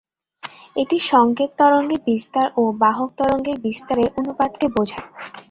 এটি সংকেত তরঙ্গের বিস্তার ও বাহক তরঙ্গের বিস্তারের অনুপাতকে বোঝায়।